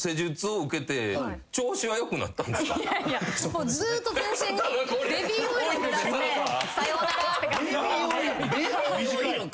もうずっと全身にベビーオイル塗られてさようならって感じだったんで。